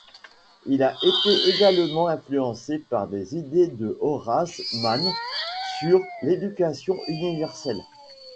Il a été également influencé par les idées de Horace Mann sur l'éducation universelle.